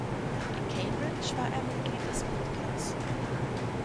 In Cambridge war er Mitglied des Pitt Clubs.